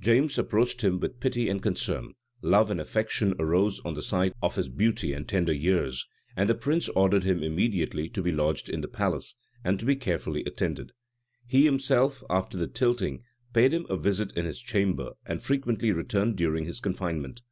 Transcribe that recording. James approached him with pity and concern: love and affection arose on the sight of his beauty and tender years; and the prince ordered him immediately to be lodged in the palace, and to be carefully attended. He himself, after the tilting, paid him a visit in his chamber, and frequently returned during his confinement.